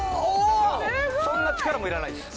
そんな力もいらないです。